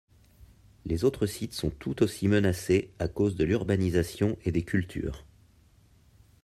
Les autres sites sont tout aussi menacés à cause de l'urbanisation et des cultures.